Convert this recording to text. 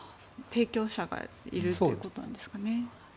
提供者がいるということなんですね。